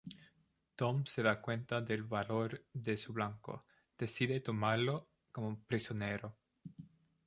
Tom se da cuenta del valor de su blanco, decide tomarlo como prisionero.